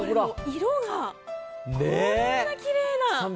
色がこんなきれいな。